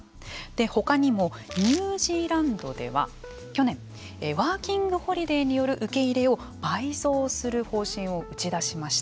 他にもニュージーランドでは去年、ワーキングホリデーによる受け入れを倍増する方針を打ち出しました。